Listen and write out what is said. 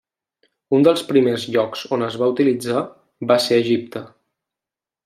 Un dels primers llocs on es va utilitzar va ser Egipte.